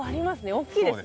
大きいですね。